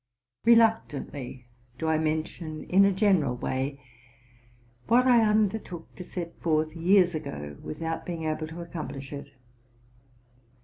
Reluctantly do I mention, in a general way, what I under took to set forth years ago, without being able to accomplish it.